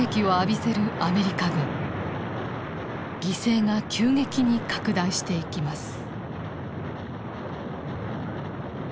犠牲が急激に拡大していきます。